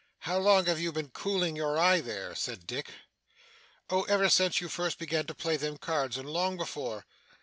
'How long have you been cooling your eye there?' said Dick. 'Oh ever since you first began to play them cards, and long before.